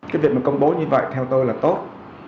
cái việc mà công bố như vậy theo tôi là tốt